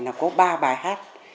là có ba bài hát